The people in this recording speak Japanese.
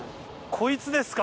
こいつですか。